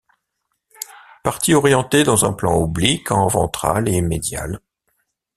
Partie orientée dans un plan oblique en ventral et médial.